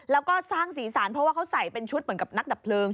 แล้วก็สร้างสีสันเพราะว่าเขาใส่เป็นชุดเหมือนกับนักดับเพลิง